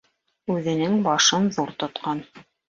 Үҙенең башын ҙур тотҡан